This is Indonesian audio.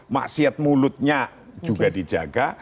maksiat mulutnya juga dijaga